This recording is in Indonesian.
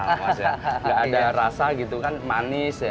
nggak ada rasa gitu kan manis ya